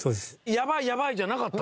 「やばいやばい」じゃなかった？